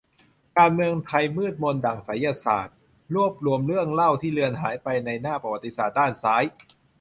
การเมืองไทยมืดมนดั่งไสยศาสตร์ รวบรวมเรื่องเล่าที่เลือนหายไปในหน้าประวัติศาสตร์ด้านซ้าย